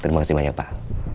terima kasih banyak pak